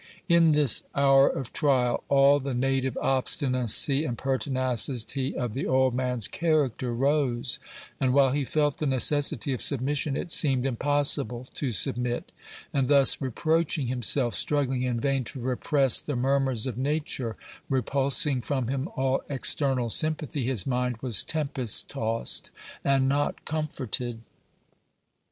In this hour of trial, all the native obstinacy and pertinacity of the old man's character rose, and while he felt the necessity of submission, it seemed impossible to submit; and thus, reproaching himself, struggling in vain to repress the murmurs of nature, repulsing from him all external sympathy, his mind was "tempest tossed, and not comforted."